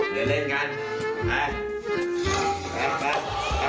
เดินเล่นกันมา